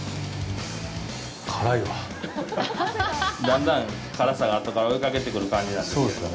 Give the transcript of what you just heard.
だんだん辛さがあとから追いかけてくる感じなんですけれども。